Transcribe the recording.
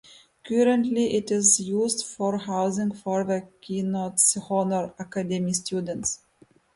Currently, it is used for housing for the Keystone Honor Academy Students.